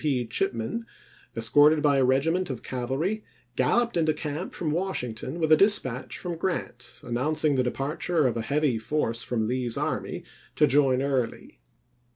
P. Chipman, escorted by a regiment of cavalry, galloped, into camp from Washington with a dispatch from Grant announcing the departure of a heavy force from Lee's army to join Early.